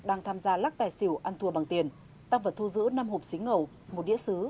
đang tham gia lắc tài xỉu ăn thua bằng tiền tăng vật thu giữ năm hộp xính ngầu một đĩa xứ